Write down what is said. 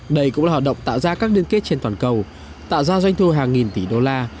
đây cũng là hoạt động tạo ra các liên kết trên toàn cầu tạo ra doanh thu hàng nghìn tỷ đô la